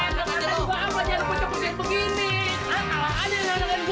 nggak kata juga apa jangan pun cepet jangan begini